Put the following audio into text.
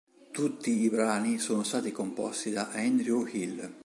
Tutti i brani sono stati composti da Andrew Hill.